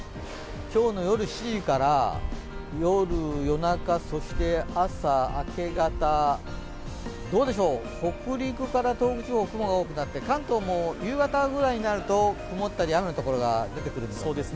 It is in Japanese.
今日夜７時から夜、夜中、そして朝、明け方どうでしょう、北陸から東北地方雲が多くなって関東も夕方ぐらいになると曇ったり雨の所が出てきますね。